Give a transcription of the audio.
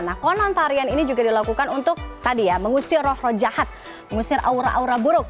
nah konon tarian ini juga dilakukan untuk tadi ya mengusir roh roh jahat mengusir aura aura buruk